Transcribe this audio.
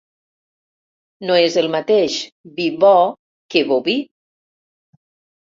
No és el mateix vi bo que boví.